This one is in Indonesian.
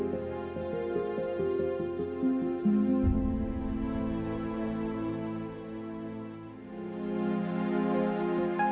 sampai saat ini